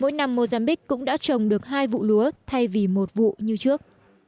mỗi năm mozambiqu cũng đã trồng được hai vụ lúa thay vì một vụ như trước